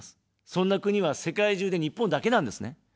そんな国は世界中で日本だけなんですね。